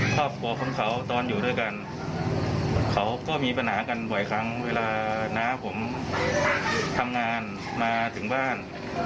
ครอบครัวของเขาตอนอยู่ด้วยกันเขาก็มีปัญหากันบ่อยครั้งเวลาน้าผมทำงานมาถึงบ้าน